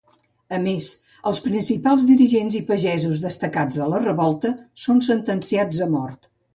A més, els principals dirigents i pagesos destacats de la revolta són sentenciats a mort.